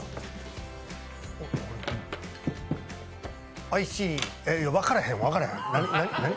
おいしいいえ、分からへん、分からへん。